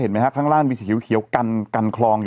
เห็นไหมฮะข้างล่างมีสีเขียวกันคลอง